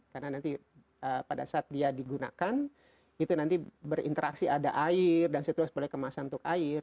karena nanti pada saat dia digunakan itu nanti berinteraksi ada air dan seterusnya kemasan untuk air